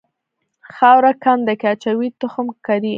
خاوره کنده کې اچوي تخم کري.